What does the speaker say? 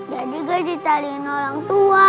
jadi gak dicarin orang tua